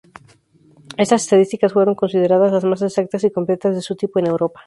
Estas estadísticas fueron consideradas las más exactas y completas de su tipo en Europa.